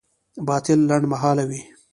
باطل لنډمهاله وي.